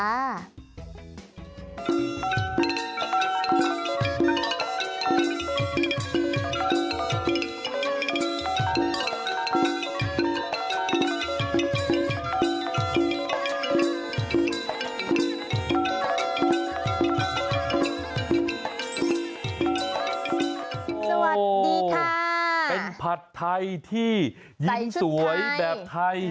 สวัสดีค่ะเป็นผัดไทยที่หญิงสวยแบบไทย